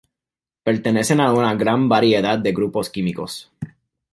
Pertenecen a una gran variedad de grupos químicos.